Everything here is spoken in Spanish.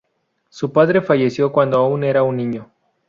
Su padre falleció cuando aún era un niño.